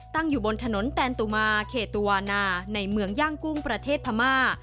ตั้งอยู่บนถนนแตนตุมาเขตตุวานาในเมืองย่างกุ้งประเทศพม่า